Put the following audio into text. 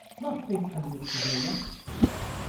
Maɣef ay tḥemmel ad teg aya?